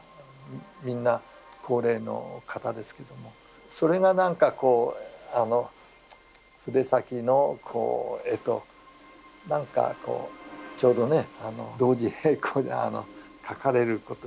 みんな高齢の方ですけどもそれがなんかこう筆先の絵となんかこうちょうどね同時並行で描かれること。